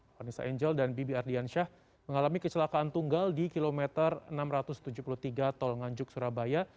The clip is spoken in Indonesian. vanessa angel dan bibi ardiansyah mengalami kecelakaan tunggal di kilometer enam ratus tujuh puluh tiga tol nganjuk surabaya